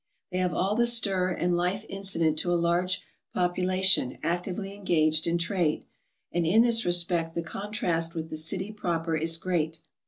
They have all the stir and life incident to a large popula tion actively engaged in trade, and in this respect the contrast with the city proper is great.